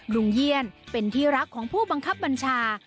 เยี่ยนเป็นที่รักของผู้บังคับบัญชา